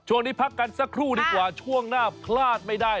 ช่วงนี้พักกันสักครู่ดีกว่าช่วงหน้าพลาดไม่ได้